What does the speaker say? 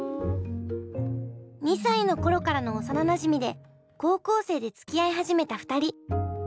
２歳の頃からの幼なじみで高校生でつきあい始めた２人。